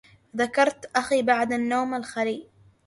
ذكرت أخي بعد نوم الخلي